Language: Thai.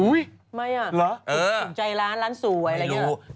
อยู่ถึงใจร้านร้านสู่ไว้อะไรอย่างนี้